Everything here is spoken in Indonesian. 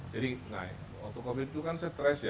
jadi nah waktu covid itu kan stress ya